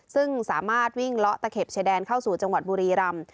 ซึ่งสามารถวิ่งเลาะตะเข็บชายแดนเข้าสู่จังหวัดบุรีรำ